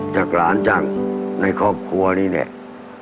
จากหลานจังในครอบครัวนี้เนี่ย